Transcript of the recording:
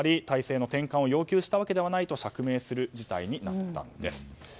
体制転換を要求したわけではないと釈明する事態になったんです。